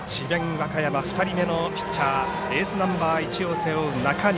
和歌山２人目のピッチャーエースナンバー１を背負う中西。